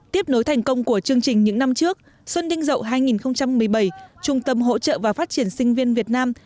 tiếp nối thành công của chương trình những năm trước xuân đinh dậu hai nghìn một mươi bảy trung tâm hỗ trợ và phát triển sinh viên việt nam